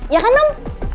ya kan nom